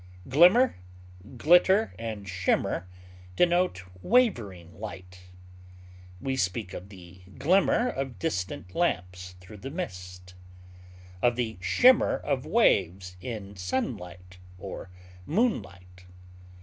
Glimmer, glitter, and shimmer denote wavering light. We speak of the glimmer of distant lamps through the mist; of the shimmer of waves in sun_light_ or moon_light_.